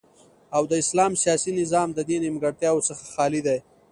او د اسلام سیاسی نظام ددی نیمګړتیاو څخه خالی دی